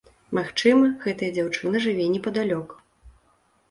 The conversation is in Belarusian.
Магчыма, гэтая дзяўчына жыве непадалёк.